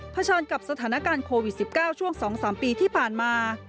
เฉินกับสถานการณ์โควิด๑๙ช่วง๒๓ปีที่ผ่านมา